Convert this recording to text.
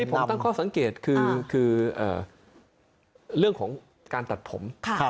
ผมตั้งข้อสังเกตคือเรื่องของการตัดผม